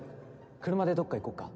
車でどっか行こっか？